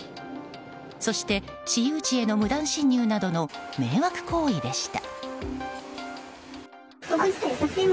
そして私有地への無断侵入などの迷惑行為でした。